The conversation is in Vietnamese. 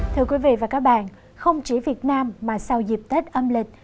thưa quý vị và các bạn không chỉ việt nam mà sau dịp tết âm lịch